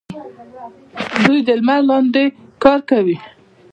دوی د لمر لاندې کار کوي.